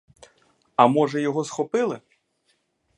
А може, його схопили?